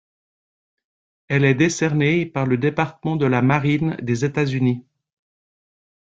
Elle est décernée par le Département de la Marine des États-Unis.